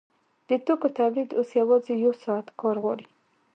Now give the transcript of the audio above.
د توکو تولید اوس یوازې یو ساعت کار غواړي